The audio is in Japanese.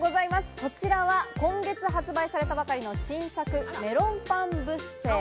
こちらは今月発売されたばかりの新作、メロンパンブッセ。